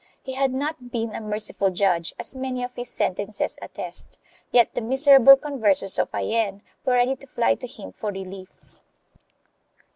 He had not been a merciful judge, as many of his sentences attest, yet the miserable Conversos of Jaen were ready to fly to him for relief.